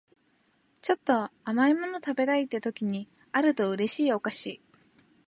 ちょっと甘い物食べたいって時にあると嬉しいお菓子